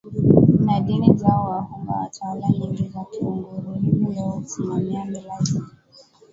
na Dini zao Wahunga wa tawala nyingi za Kiluguru hivi leo husimamia Mila zile